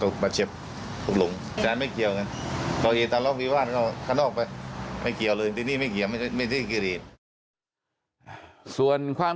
นี่ไปดูทั้งที่สายงานก่อสร้างแล้วก็ร้านข้าวต้มนะครับ